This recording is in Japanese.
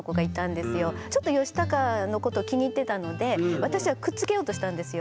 ちょっとヨシタカのこと気に入ってたので私はくっつけようとしたんですよ。